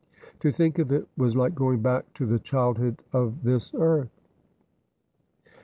To think of it was like going back to the childhood of this earth.